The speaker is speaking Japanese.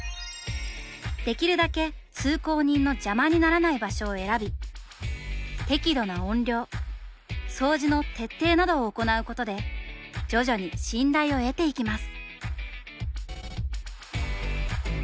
できるだけ通行人の邪魔にならない場所を選び適度な音量掃除の徹底などを行うことで徐々に信頼を得ていきます。